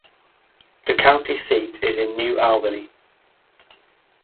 The county seat is New Albany.